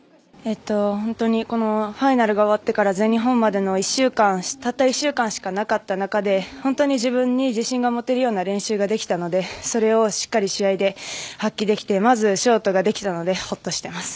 ファイナルが終わってから全日本までたった１週間しかなかった中で自分に自信が持てるような練習ができたのでそれをしっかり試合で発揮できてまずショートができたのでホッとしています。